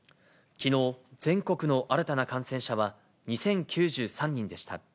きのう、全国の新たな感染者は２０９３人でした。